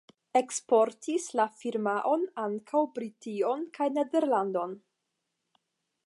Eksportis la firmaon ankaŭ Brition kaj Nederlandon.